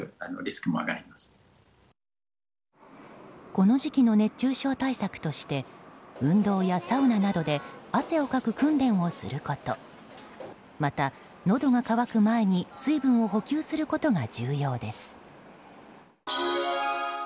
この時期の熱中症対策として運動やサウナなどで汗をかく訓練をすることまた、のどが渇く前に水分を補給することが重要です。